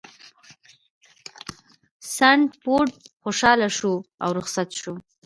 سنډفورډ خوشحاله شو او رخصت شو.